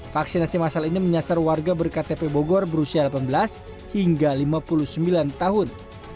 vaksinasi masal ini menyasar warga berktp bogor berusia delapan belas hingga lima puluh sembilan tahun